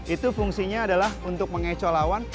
itu fungsinya adalah untuk mengecoh lawan